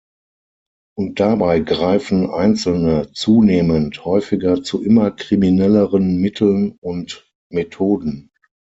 Und dabei greifen Einzelne zunehmend häufiger zu immer kriminelleren Mitteln und Methoden.